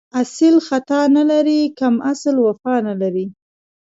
اصیل خطا نه لري، کم اصل وفا نه لري